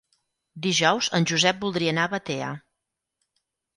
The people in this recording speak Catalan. Dijous en Josep voldria anar a Batea.